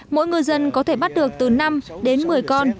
mỗi ngư dân có thể bắt được từ năm đến một mươi con